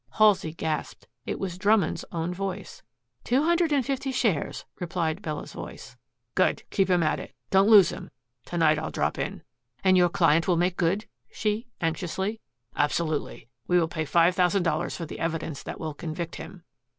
Halsey gasped. It was Drummond's own voice. "Two hundred and fifty shares," replied Bella's voice. "Good. Keep at him. Don't lose him. To night I'll drop in." "And your client will make good?" she anxiously. "Absolutely. We will pay five thousand dollars for the evidence that will convict him."